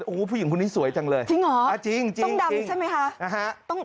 โอ้โหผู้หญิงคนนี้สวยจังเลยจริงเหรอจริงต้องดำใช่ไหมคะ